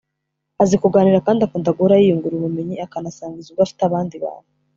azi kuganira kandi akunda guhora yiyungura ubumenyi akanasangiza ubwo afite abandi bantu